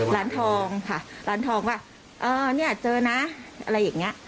ร้านทองค่ะร้านทองว่าเออเนี่ยเจอนะอะไรอย่างนี้